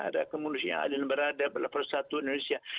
ada kemunus yang berada di perusahaan indonesia